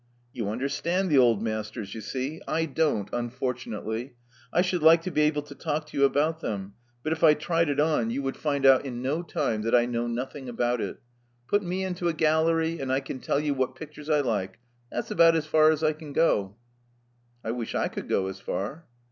You understand the old masters, you see. I don't, unfortunately. I should like to be able to talk to you about them; but if I tried it on, you would find out 276 Love Among the Artists in no time that I know nothing about it. Put me into a gallery, and I can tell you what pictures I like: that's about as far as I can go." '*I wish I could go as far."